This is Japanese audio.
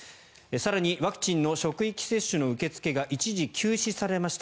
更にワクチンの職域接種の受付が一時休止されました。